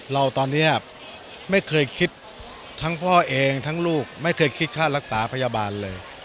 เราตอนนี้ไม่เคยคิดทั้งพ่อเองทั้งลูกไม่เคยคิดค่ารักษาพยาบาลเลย